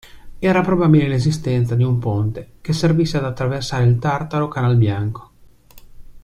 Era probabile l'esistenza di un ponte che servisse ad attraversare il Tartaro-Canalbianco.